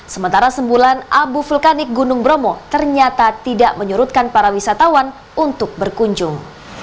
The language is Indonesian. sementara sembulan abu vulkanik gunung bromo ternyata tidak menyurutkan para wisatawan untuk berkunjung